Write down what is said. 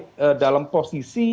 untuk menunjukkan kepentingan